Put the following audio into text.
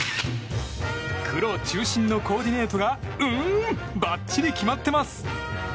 黒中心のコーディネートがうーんばっちり決まっています。